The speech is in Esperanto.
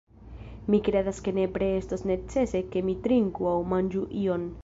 Mi kredas ke nepre estos necese ke mi trinku aŭ manĝu ion.